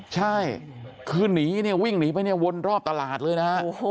ใช่คือหนีวิ่งหนีไปวนรอบตลาดเลยนะ